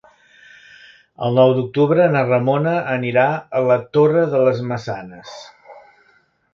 El nou d'octubre na Ramona anirà a la Torre de les Maçanes.